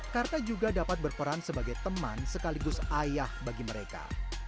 karena juga dapat berperan sebagai teman sekaligus ayah bagi mereka